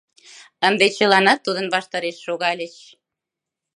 Ынде чыланат тудын ваштареш шогальыч.